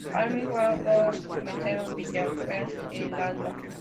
Almirante Brown, Wenceslao Villafañe e Irala.